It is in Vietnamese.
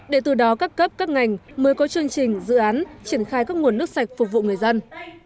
để từ đó các cấp các ngành mới có chương trình dự án triển khai các nguồn nước sạch phục vụ người dân